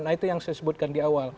nah itu yang saya sebutkan di awal